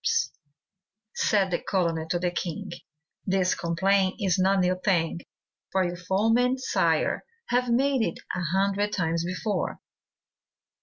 Said the colonel to the king, 'This complaint is no new thing, For your foemen, sire, have made it A hundred times before.